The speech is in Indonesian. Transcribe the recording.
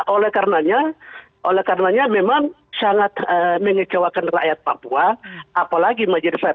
oleh karenanya oleh karenanya memang sangat mengecewakan rakyat papua apalagi majelis rakyat